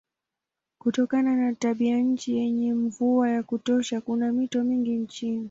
Kutokana na tabianchi yenye mvua ya kutosha kuna mito mingi nchini.